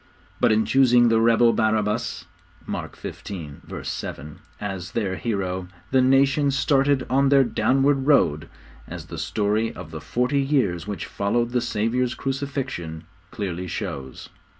But in choosing the rebel, Barabbas (Mark xv. 7) as their hero, the nation started on their downward road, as the story of the forty years which followed the Saviour's crucifixion clearly shows.